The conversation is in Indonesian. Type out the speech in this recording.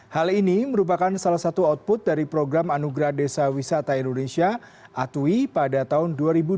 hal ini merupakan salah satu output dari program anugerah desa wisata indonesia atui pada tahun dua ribu dua puluh